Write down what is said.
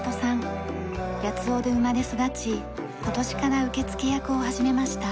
八尾で生まれ育ち今年から受付役を始めました。